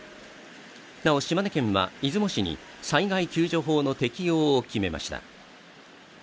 なお、島根県は出雲市に災害救助法の適用を決めました。